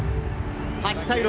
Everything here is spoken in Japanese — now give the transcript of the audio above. ８対６。